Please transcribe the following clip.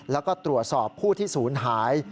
แล้วก็ตรวจสอบผู้ที่ศูนย์หาย